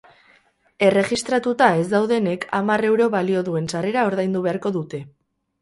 Erregistratuta ez daudenek hamar euro balio duen sarrera ordaindu beharko dute.